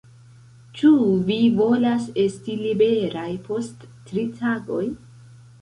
Ĉu vi volas esti liberaj post tri tagoj?